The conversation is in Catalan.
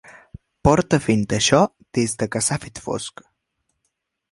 Porta fent això des de que s'ha fet fosc.